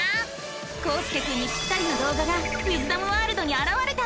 こうすけくんにぴったりの動画がウィズダムワールドにあらわれた！